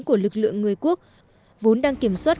của lực lượng người quốc vốn đang kiểm soát